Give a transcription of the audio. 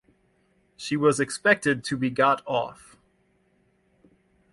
She was expected to be got off.